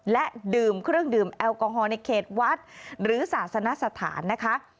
และดื่มเครื่องดื่มแอลกอฮอลในเขตวัดหรือศาสนสถานนะคะ